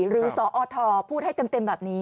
สอทพูดให้เต็มแบบนี้